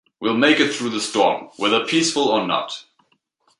We'll make it through the storm, whether peaceful or not.